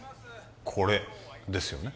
これですよね